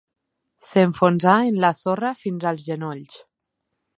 S'enfonsà en la sorra fins als genolls.